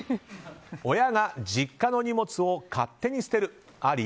親が実家の荷物を勝手に捨てるあり？